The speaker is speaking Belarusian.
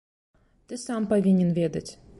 Ты сам павінен ведаць.